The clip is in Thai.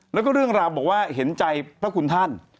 แล้วก็เรื่องราวบอกว่าเห็นใจพระคุณท่าน